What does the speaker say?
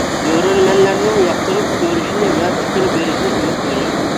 كۆرۈرمەنلەرنىڭ ياقتۇرۇپ كۆرۈشىنى ۋە پىكىر بېرىشىنى ئۈمىد قىلىمەن.